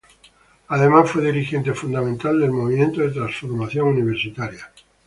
Además, fue dirigente fundamental del Movimiento de Transformación Universitaria.